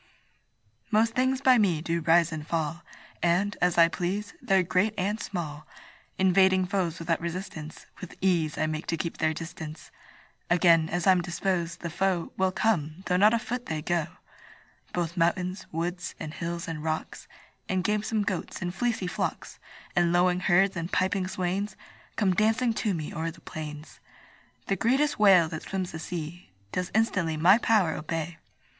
Most things by me do rise and fall, And, as I please, they're great and small; Invading foes without resistance, With ease I make to keep their distance: Again, as I'm disposed, the foe Will come, though not a foot they go. Both mountains, woods, and hills, and rocks And gamesome goats, and fleecy flocks, And lowing herds, and piping swains, Come dancing to me o'er the plains. The greatest whale that swims the sea Does instantly my power obey.